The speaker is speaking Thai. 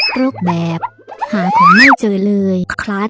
ตรกแบบหาของไม่เจอเลยคลาด